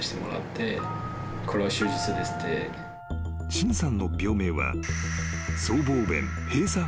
［申さんの病名は］